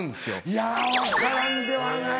いや分からんではない。